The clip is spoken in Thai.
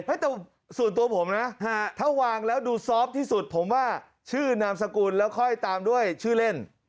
แต่ส่วนตัวผมนะถ้าวางแล้วดูซอฟต์ที่สุดผมว่าชื่อนามสกุลแล้วค่อยตามด้วยชื่อเล่น